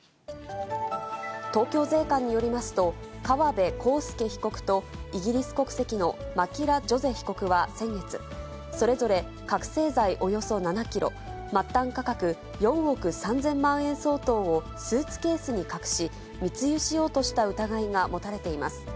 東京税関によりますと、川辺康介被告とイギリス国籍のマキラ・ジョゼ被告は先月、それぞれ覚醒剤およそ７キロ、末端価格４億３０００万円相当をスーツケースに隠し、密輸しようとした疑いが持たれています。